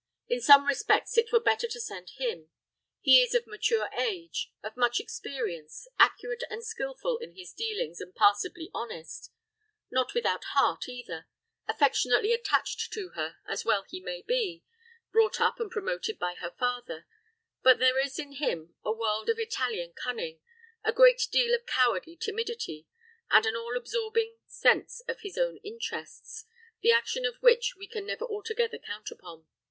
In some respects, it were better to send him. He is of mature age, of much experience, accurate and skillful in his dealings and passably honest; not without heart either, affectionately attached to her, as well he may be, brought up and promoted by her father; but there is in him a world of Italian cunning, a great deal of cowardly timidity, and an all absorbing, sense of his own interests, the action of which we can never altogether count upon.